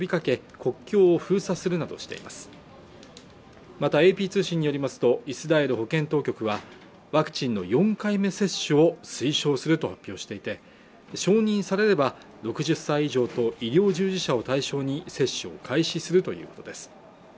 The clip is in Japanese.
国境を封鎖するなどしていますまたＡＰ通信によりますとイスラエル保健当局はワクチンの４回目接種を推奨すると発表していて承認されれば６０歳以上と医療従事者を対象に接種を開始するということです